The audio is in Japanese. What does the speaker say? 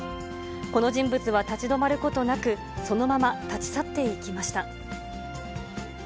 この人物は立ち止まることなく、そのまま立ち去っていきました。